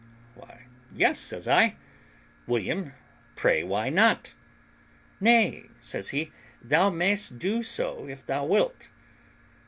"Why, yes," says I, "William, pray why not?" "Nay," says he, "thou mayest do so if thou wilt."